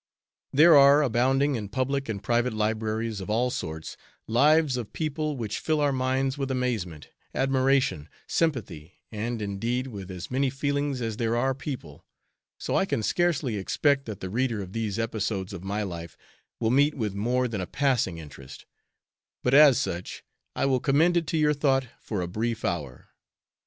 There are abounding in public and private libraries of all sorts, lives of people which fill our minds with amazement, admiration, sympathy, and indeed with as many feelings as there are people, so I can scarcely expect that the reader of these episodes of my life will meet with more than a passing interest, but as such I will commend it to your thought for a brief hour.